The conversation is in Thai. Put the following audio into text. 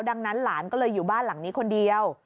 ดังนั้นหลานก็เลยอยู่บ้านหลังนี้คนเดียว